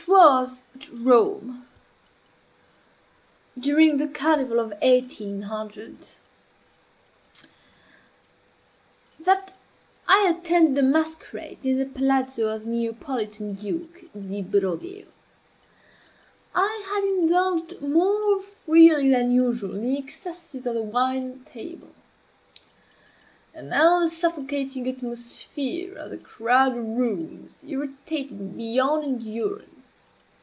It was at Rome, during the Carnival of 18 , that I attended a masquerade in the palazzo of the Neapolitan Duke Di Broglio. I had indulged more freely than usual in the excesses of the wine table; and now the suffocating atmosphere of the crowded rooms irritated me beyond endurance.